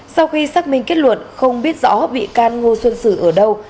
sau khi xác minh kết luận không biết rõ bị can ngô xuân sử ở đâu